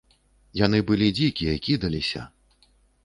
Яны былі дзікія, кідаліся.